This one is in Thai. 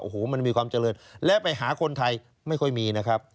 โอ้โหมันมีความเจริญและไปหาคนไทยไม่ค่อยมีนะครับ